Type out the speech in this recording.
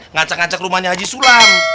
ngacak ngacak rumahnya haji sulam